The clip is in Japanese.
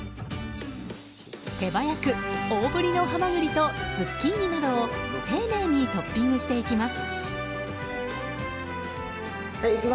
手早く、大ぶりのハマグリとズッキーニなどを丁寧にトッピングしていきます。